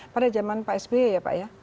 pada zaman pak sby ya pak ya